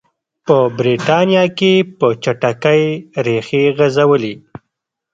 په برېټانیا کې په چټکۍ ریښې غځولې.